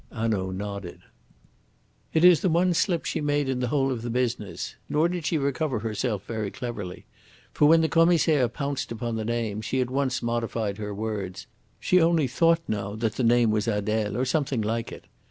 Hanaud nodded. "It is the one slip she made in the whole of the business. Nor did she recover herself very cleverly. For when the Commissaire pounced upon the name, she at once modified her words. She only thought now that the name was Adele, or something like it.